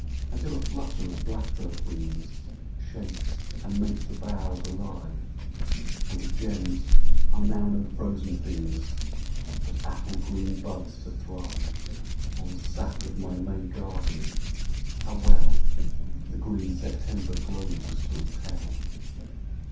Until a flutter of blackbird wings Shakes and makes the boughs alive, And the gems are now no frozen things, But apple green buds to thrive On sap of my May garden, how well The green September globes will tell.